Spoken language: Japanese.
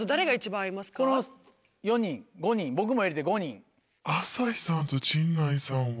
この４人５人僕も入れて５人。